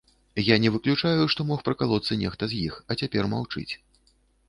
Я не выключаю, што мог пракалоцца нехта з іх, а цяпер маўчыць.